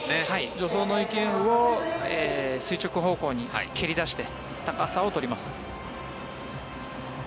助走の勢いを垂直方向に蹴り出して高さを取ります。